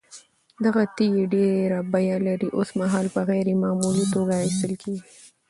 دغه تېږې ډېره بيه لري، اوسمهال په غير معياري توگه راايستل كېږي،